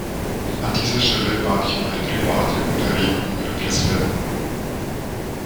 An dieser Stelle bat ich um eine private Unterredung mit dem Präsidenten.